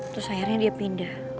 terus akhirnya dia pindah